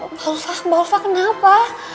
mbak mbak mbak mbak kenapa